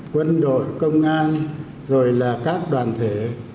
quân đội công an rồi là các đoàn thể